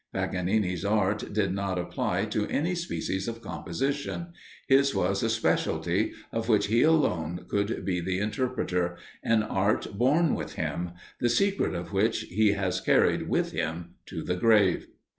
Paganini's art did not apply to any species of composition his was a specialty, of which he alone could be the interpreter an art born with him, the secret of which he has carried with him to the grave.